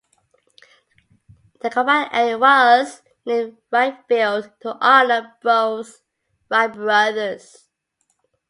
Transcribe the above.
The combined area was named Wright Field to honor both Wright Brothers.